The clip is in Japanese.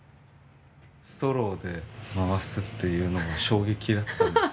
ストローで回すっていうのが衝撃だったんですけど。